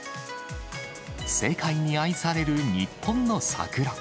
世界に愛される日本の桜。